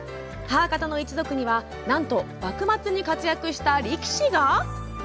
母方の一族にはなんと幕末に活躍した力士が？